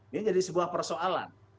ini jadi sebuah persoalan